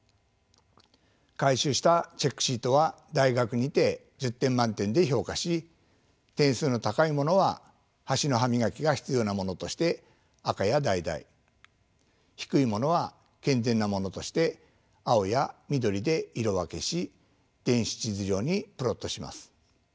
回収したチェックシートは大学にて１０点満点で評価し点数の高いものは橋の歯磨きが必要なものとして赤や橙低いものは健全なものとして青や緑で色分けし電子地図上にプロットします。